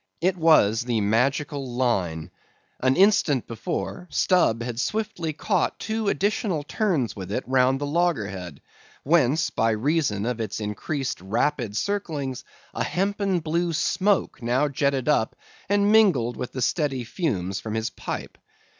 It was the magical line. An instant before, Stubb had swiftly caught two additional turns with it round the loggerhead, whence, by reason of its increased rapid circlings, a hempen blue smoke now jetted up and mingled with the steady fumes from his pipe.